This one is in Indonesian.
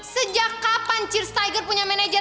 sejak kapan cheers tiger punya manajer